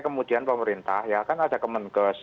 saya kemudian pemerintah ya kan ada kemengkes